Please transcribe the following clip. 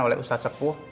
oleh ustadz sepuh